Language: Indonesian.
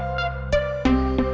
ya baik bu